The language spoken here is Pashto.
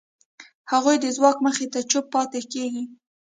هغوی د ځواک مخې ته چوپ پاتې کېږي.